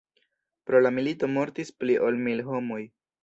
Pro la milito mortis pli ol mil homoj.